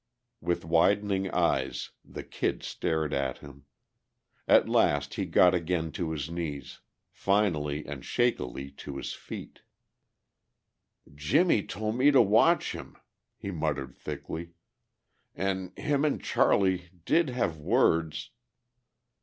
With widening eyes the Kid stared at him. At last he got again to his knees; finally and shakily to his feet. "Jimmie tol' me to watch him," he muttered thickly. "An' him an' Charlie did have words...."